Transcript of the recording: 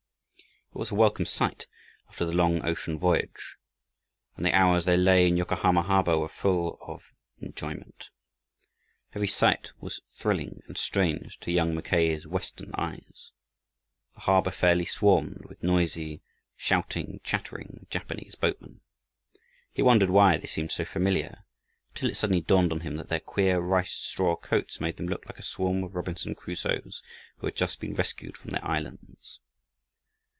It was a welcome sight, after the long ocean voyage, and the hours they lay in Yokahama harbor were full of enjoyment. Every sight was thrilling and strange to young Mackay's Western eyes. The harbor fairly swarmed with noisy, shouting, chattering Japanese boatmen. He wondered why they seemed so familiar, until it suddenly dawned on him that their queer ricestraw coats made them look like a swarm of Robinson Crusoes who had just been rescued from their islands.